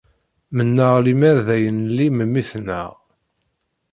Mennaɣ lemmer d ay nli memmi-tneɣ!